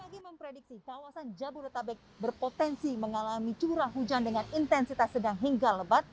bg memprediksi kawasan jabodetabek berpotensi mengalami curah hujan dengan intensitas sedang hingga lebat